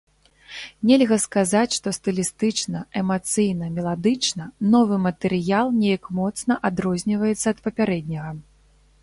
Нельга сказаць, што стылістычна, эмацыйна, меладычна новы матэрыял неяк моцна адрозніваецца ад папярэдняга.